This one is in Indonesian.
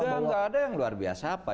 tidak ada yang luar biasa apa